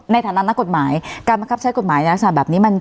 ในฐานอนักกฎหมายการบังคับใช้กฎหมายในรัฐศาสตร์แบบนี้